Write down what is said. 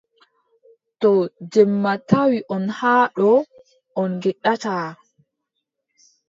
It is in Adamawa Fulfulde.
To jemma tawi on haa ɗo, on ngeeɗataa.